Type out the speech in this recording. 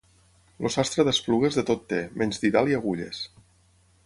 El sastre d'Esplugues de tot té, menys didal i agulles.